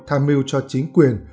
tham mưu cho chính quyền